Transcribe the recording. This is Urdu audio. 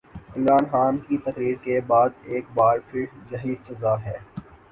عمران خان کی تقریر کے بعد ایک بار پھر یہی فضا ہے۔